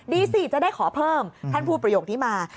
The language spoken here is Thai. ดีสิจะได้ขอเพิ่มท่านพูดประโยคนี้มา